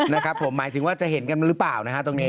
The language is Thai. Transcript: นะครับผมหมายถึงว่าจะเห็นกันหรือเปล่านะฮะตรงนี้